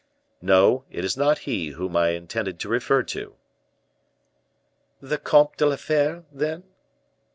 "No; it is not he whom I intended to refer to." "The Comte de la Fere, then?"